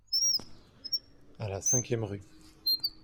À la cinquième rue.